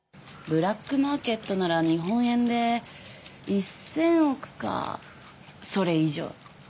ブラックマーケットなら日本円で１，０００億かそれ以上。